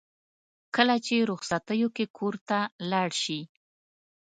کله چې رخصتیو کې کور ته لاړ شي.